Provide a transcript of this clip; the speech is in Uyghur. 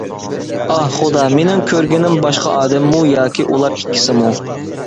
ئاھ. خۇدا مىنىڭ كۆرگىنىم باشقا ئادەممۇ ياكى ئۇلار ئىككىسىمۇ؟ !